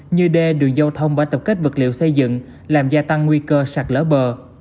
như đê đường giao thông bãi tập kết vật liệu xây dựng làm gia tăng nguy cơ sạt lỡ bờ